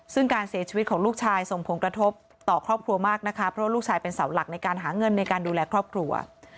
ซึ่งการเสียชีวิตของลูกชายส่งผลกระทบต่อครอบครัวมากนะคะเพราะว่าลูกชายเป็นเสาหลักในการหาเงินในการดูแลครอบครัว